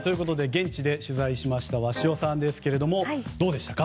現地で取材しました鷲尾さんですがどうでしたか？